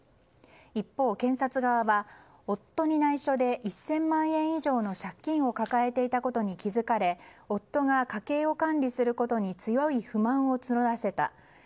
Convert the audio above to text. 一方、検察側は夫に内緒で１０００万円以上の借金を抱えていたことに気づかれ夫が家計を管理することに強い不満を募らせた。